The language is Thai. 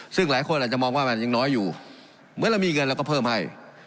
ซึ่งหลายคนอาจจะมองว่ามันยังน้อยอยู่เหมือนเรามีเงินเราก็เพิ่มให้